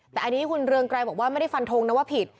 แต่อันนี้คุณเรืองไกรบอกว่าไม่ได้ฟันทงนะว่าผิด